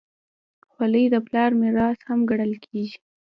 خولۍ د پلار میراث هم ګڼل کېږي.